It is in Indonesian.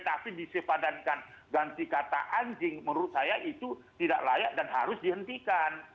tapi disepadankan ganti kata anjing menurut saya itu tidak layak dan harus dihentikan